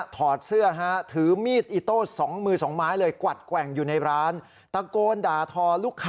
ถอดเสื้อฮะถือมีดอิตโต๊อสสองมือสองไม้เลยแกว่งอยู่ในร้านตะโกนด่าทอลูก